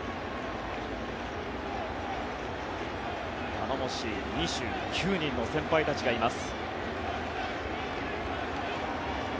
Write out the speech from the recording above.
頼もしい２９人の先輩たちがいます。